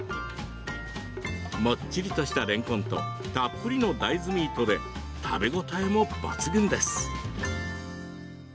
もっちりとしたれんこんとたっぷりの大豆ミートで食べ応えも抜群です。